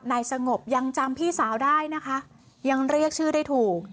นายสงบยังจำพี่สาวได้นะคะยังเรียกชื่อได้ถูก